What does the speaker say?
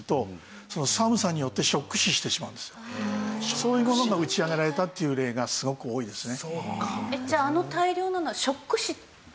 そういうものが打ち上げられたっていう例がすごく多いですね。